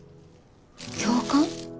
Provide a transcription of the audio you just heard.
教官？